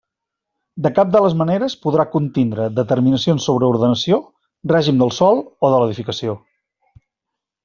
De cap de les maneres podrà contindre determinacions sobre ordenació, règim del sòl o de l'edificació.